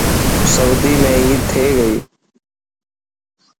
سوئدي ۾ عيد ٿي گئي.